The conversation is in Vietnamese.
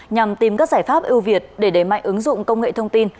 nhằm tìm các giải pháp ưu việt để đẩy mạnh ứng dụng công nghệ thông tin